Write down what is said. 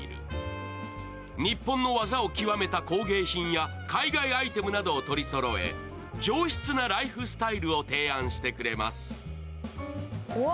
日本の技を極めた工芸品や海外アイテムなどをとりそろえ上質なライフスタイルを提案してくれます。